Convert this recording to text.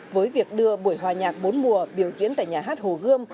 với việc đưa buổi hòa nhạc bốn mùa biểu diễn tại nhà hát hồ gươm